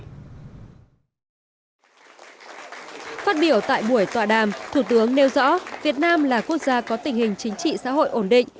phát biểu tại buổi tọa đàm thủ tướng nêu rõ việt nam là quốc gia có tình hình chính trị xã hội ổn định